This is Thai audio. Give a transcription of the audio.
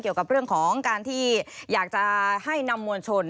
เกี่ยวกับเรื่องของการที่อยากจะให้นำมวลชน